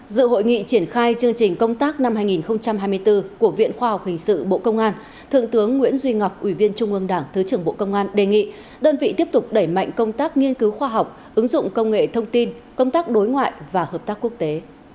dự hội nghị triển khai chương trình công tác năm hai nghìn hai mươi bốn của viện khoa học hình sự bộ công an thượng tướng nguyễn duy ngọc ủy viên trung ương đảng thứ trưởng bộ công an đề nghị đơn vị tiếp tục đẩy mạnh công tác nghiên cứu khoa học ứng dụng công nghệ thông tin công tác đối ngoại và hợp tác quốc tế